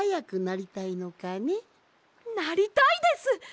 なりたいです！